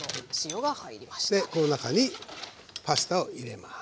でこの中にパスタを入れます。